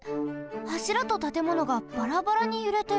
はしらとたてものがバラバラにゆれてる。